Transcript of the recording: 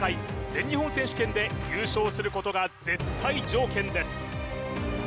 全日本選手権で優勝することが絶対条件です